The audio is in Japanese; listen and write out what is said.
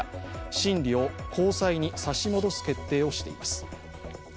審理を高裁に差し戻す決定をしています。